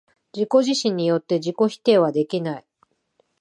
自己自身によって自己否定はできない。